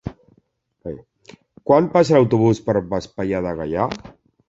Quan passa l'autobús per Vespella de Gaià?